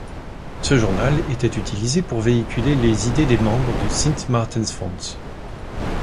Ce journal était utilisé pour véhiculer les idées des membres du Sint-Maartensfonds.